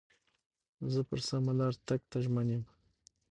زه پر سمه لار تګ ته ژمن یم.